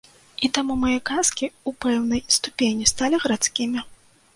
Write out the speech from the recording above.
І таму мае казкі ў пэўнай ступені сталі гарадскімі.